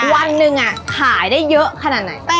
วันหนึ่งขายได้เยอะขนาดไหน